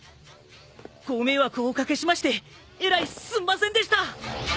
ご迷惑をおかけしましてえらいすんませんでした。